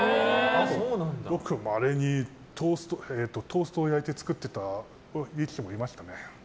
ごくまれにトーストを焼いて作ってた力士もいましたね。